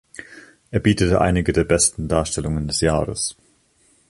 Er biete einige der besten Darstellungen des Jahres.